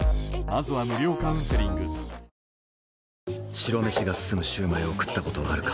白飯が進むシュウマイを食ったことはあるか？